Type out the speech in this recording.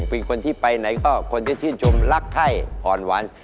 เป็นคนที่ไปไหนก็ควรจะชื่นชมรักไข้ผ่อนหวาน